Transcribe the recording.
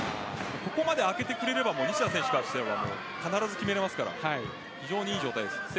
ここまで空けてくれれば西田選手からしたら必ず決められますから非常に良い状態です。